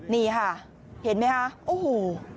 นี่ค่ะเห็นไหมคะโอ้โห